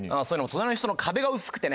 隣の人の壁が薄くてね。